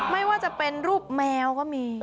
ไม่ว่าจะเป็นรูปแมวก็มี